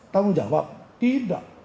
tanggung jawab tidak